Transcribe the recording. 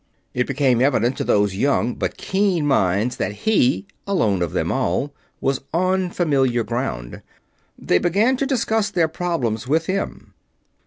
It became evident to those young but keen minds that he, alone of them all, was on familiar ground. They began to discuss their problems with him.